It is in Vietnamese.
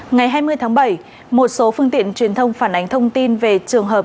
ngày hai mươi tháng bảy một số phương tiện truyền thông phản ánh thông tin về trường hợp